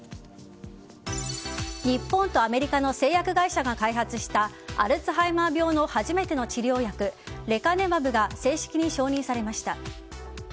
日本とアメリカの製薬会社が開発したアルツハイマー病の初めての治療薬レカネマブが正式に承認されました。